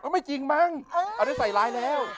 ไม่จริงมั้งเอาได้เสยร้ายแล้ว